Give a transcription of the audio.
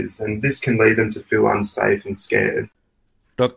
dan ini dapat membuat mereka merasa tidak aman dan takut